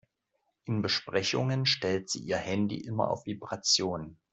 In Besprechungen stellt sie ihr Handy immer auf Vibration.